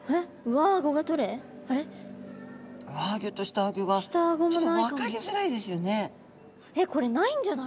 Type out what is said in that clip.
上アギョと下アギョがちょっと分かりづらいですよね。